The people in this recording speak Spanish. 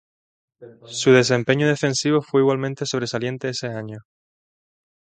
Su desempeño defensivo fue igualmente sobresaliente ese año.